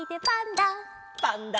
「パンダ」